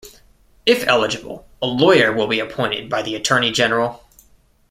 If eligible, a lawyer will be appointed by the attorney general.